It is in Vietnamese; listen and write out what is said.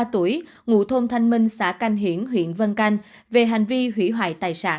ba mươi tuổi ngụ thôn thanh minh xã canh hiển huyện vân canh về hành vi hủy hoại tài sản